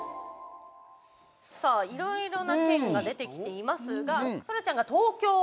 いろいろな県が出てきていますがそらちゃんが東京。